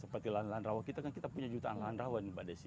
seperti lahan lahan rawa kita kan kita punya jutaan lahan rawa nih mbak desi